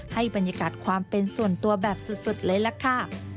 ให้บรรยากาศความเป็นส่วนตัวแบบสุดเลยล่ะค่ะ